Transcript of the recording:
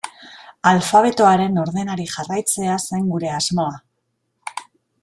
Alfabetoaren ordenari jarraitzea zen gure asmoa.